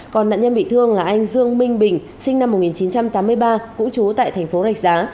còn nạn nhân bị thương là anh dương minh bình sinh năm một nghìn chín trăm tám mươi ba cũ chú tại thành phố rạch giá